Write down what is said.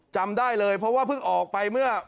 จำได้เลยเพราะว่าเพิ่งออกไปเมื่อ